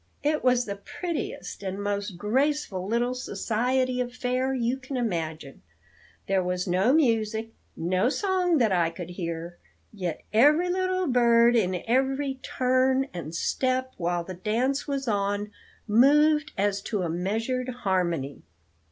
"It was the prettiest and most graceful little 'society affair' you can imagine! There was no music no song that I could hear yet every little bird in every turn and step while the dance was on, moved as to a measured harmony.